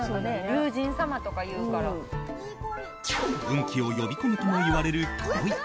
運気を呼び込むともいわれるコイ。